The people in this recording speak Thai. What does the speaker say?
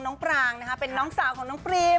ปรางนะคะเป็นน้องสาวของน้องปรีม